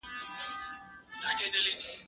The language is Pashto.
پاکوالي د زهشوم له خوا ساتل کيږي؟!